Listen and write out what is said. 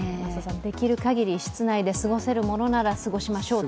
できるかぎり室内で過ごせるものなら過ごしましょうと。